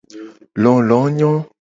Lolo nyo.